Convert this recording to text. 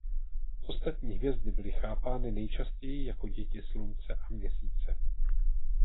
Ostatní hvězdy byly chápány nejčastěji jako děti Slunce a Měsíce.